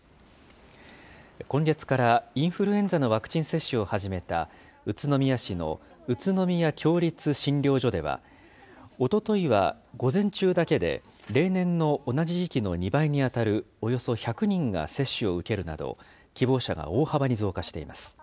今月からインフルエンザのワクチン接種を始めた、宇都宮市の宇都宮協立診療所では、おとといは午前中だけで、例年の同じ時期の２倍に当たるおよそ１００人が接種を受けるなど、希望者が大幅に増加しています。